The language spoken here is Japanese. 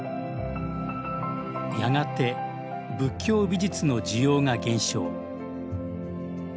やがて仏教美術の需要が減少。